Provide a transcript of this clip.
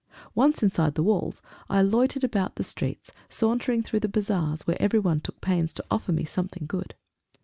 Once inside the walls, I loitered about the streets, sauntering through the bazaars, where everyone took pains to offer me something good.